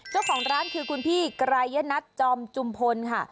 เจ้าของร้านคือคุณพี่ไกรยนัทจอมจุมพลค่ะ